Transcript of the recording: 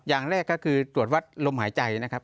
อย่างแรกก็คือตรวจวัดลมหายใจนะครับ